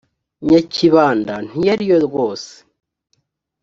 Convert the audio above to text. nyakibanda ntiyari yo rwose